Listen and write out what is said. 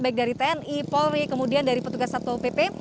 baik dari tni polri kemudian dari petugas satpol pp